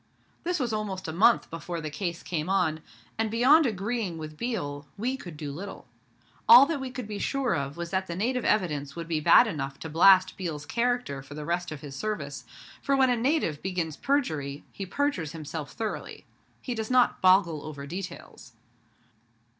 This was almost a month before the case came on; and beyond agreeing with Biel, we could do little. All that we could be sure of was that the native evidence would be bad enough to blast Biel's character for the rest of his service; for when a native begins perjury he perjures himself thoroughly. He does not boggle over details.